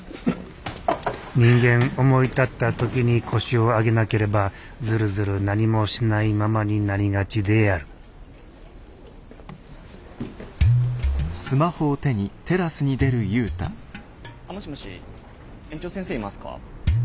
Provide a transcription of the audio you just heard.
人間思い立った時に腰を上げなければずるずる何もしないままになりがちであるあもしもし園長先生いますか？